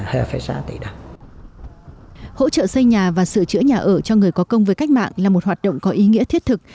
hỗ trợ xây nhà và sửa chữa nhà ở cho người có công với cách mạng là một hoạt động có ý nghĩa thiết thực